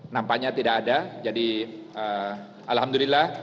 nampaknya tidak ada jadi alhamdulillah